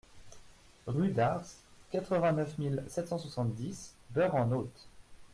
Rue d'Arces, quatre-vingt-neuf mille sept cent soixante-dix Bœurs-en-Othe